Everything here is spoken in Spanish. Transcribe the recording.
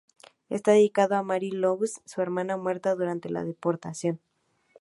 Está dedicado a Marie Louise, su hermana muerta durante su deportación.